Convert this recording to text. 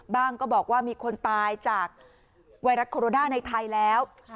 ก็บอกว่ามีคนตายจากไวรัสโคโรนาในไทยแล้ว